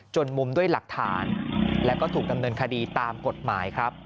มุมด้วยหลักฐานแล้วก็ถูกดำเนินคดีตามกฎหมายครับ